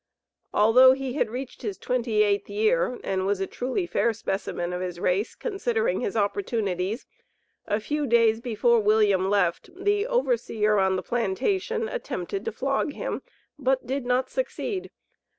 Although he had reached his twenty eighth year, and was a truly fair specimen of his race, considering his opportunities, a few days before William left, the overseer on the plantation attempted to flog him, but did not succeed.